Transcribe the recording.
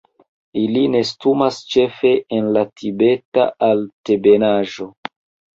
Ili nestumas ĉefe en la Tibeta Altebenaĵo.